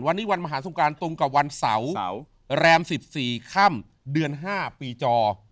วันนี้วันมหาสงการตรงกับวันเสาร์แรม๑๔ค่ำเดือน๕ปีจอ